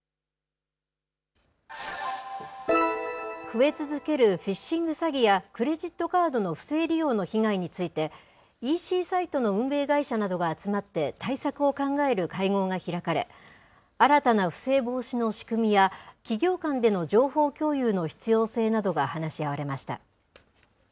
増え続けるフィッシング詐欺や、クレジットカードの不正利用の被害について、ＥＣサイトの運営会社などが集まって対策を考える会合が開かれ、新たな不正防止の仕組みや、企業間での情報共有の必要性などが話し合われました。